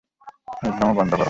ফাজলামো বন্ধ করো!